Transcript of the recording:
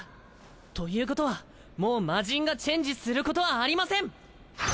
ということはもうマジンがチェンジすることはありません！